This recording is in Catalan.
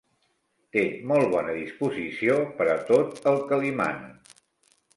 Té molt bona disposició per a tot el que li manen.